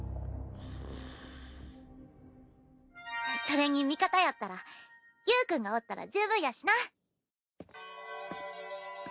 それに味方やったらゆーくんがおったら十分やしな。